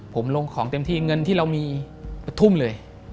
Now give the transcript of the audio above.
ผมลงของเต็มที่เงินที่เรามีทุ่มเลย